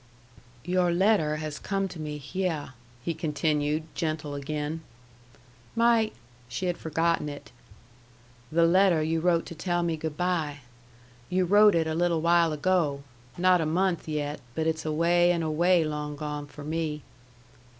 "Your letter has come to me hyeh," he continued, gentle again. "My " She had forgotten it. "The letter you wrote to tell me good by. You wrote it a little while ago not a month yet, but it's away and away long gone for me."